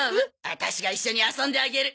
ワタシが一緒に遊んであげる。